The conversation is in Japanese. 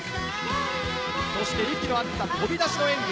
そして、息の合った飛び出しの演技。